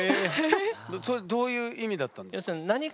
それどういう意味だったんですか？